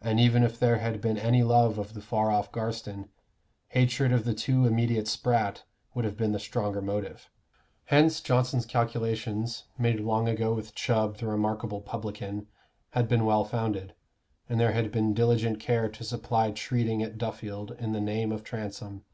And even if there had been any love of the far off Garstin, hatred of the too immediate Spratt would have been the stronger motive. Hence Johnson's calculations, made long ago with Chubb, the remarkable publican, had been well founded, and there had been diligent care to supply treating at Duffield in the name of Transome.